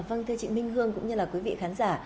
vâng thưa chị minh hương cũng như là quý vị khán giả